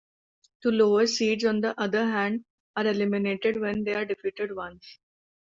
The lower seeds, on the other hand, are eliminated when they are defeated once.